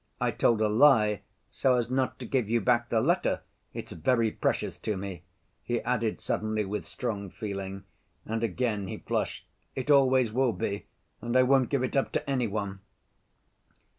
"I told a lie so as not to give you back the letter. It's very precious to me," he added suddenly, with strong feeling, and again he flushed. "It always will be, and I won't give it up to any one!"